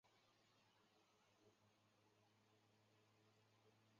以研究中国共产党政治和派系知名。